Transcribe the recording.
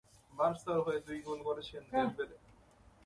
বার্সার হয়ে দুই গোল করেছেন ডেম্বেলে।